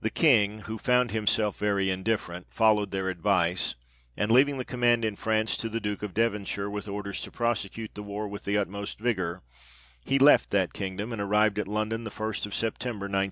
The King, who found himself very indifferent, followed their advice, and leaving the command in France to the Duke of Devonshire, with orders to prosecute the war with the utmost vigour, he left that kingdom, and arrived at London the first of September, 1919.